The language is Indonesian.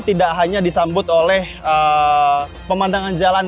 tidak hanya disambut oleh pemandangan jalan